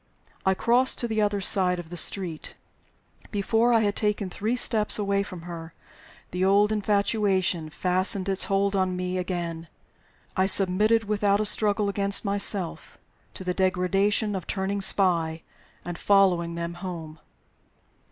I crossed to the other side of the street. Before I had taken three steps away from her, the old infatuation fastened its hold on me again. I submitted, without a struggle against myself, to the degradation of turning spy and following them home.